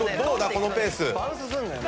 このペース。